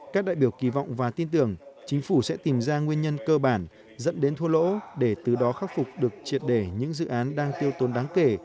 các đại biểu kỳ vọng và tin tưởng chính phủ sẽ tìm ra nguyên nhân cơ bản dẫn đến thua lỗ để từ đó khắc phục được triệt để những dự án đang tiêu tốn đáng kể